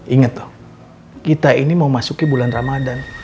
ingat kita ini mau masuknya bulan ramadan